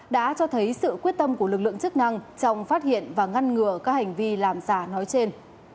đã cho thấy sự quyết tâm của lực lượng chức năng trong phát hiện và ngăn ngừa các hành vi làm giả nói trên